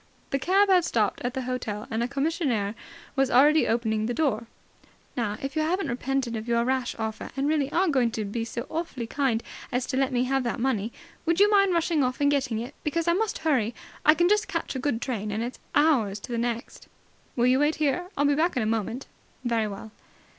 The cab had stopped at the hotel, and a commissionaire was already opening the door. "Now, if you haven't repented of your rash offer and really are going to be so awfully kind as to let me have that money, would you mind rushing off and getting it, because I must hurry. I can just catch a good train, and it's hours to the next." "Will you wait here? I'll be back in a moment." "Very well."